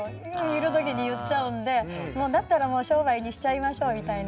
いる時に言っちゃうんでもうだったら商売にしちゃいましょうみたいな。